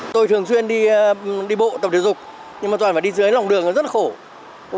tôi thường xuyên đi bộ tập thể dục nhưng mà toàn phải đi dưới lòng đường nó rất là khổ